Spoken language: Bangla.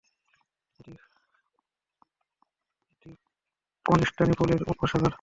এটি কনস্টান্টিনিপলের উপসাগর।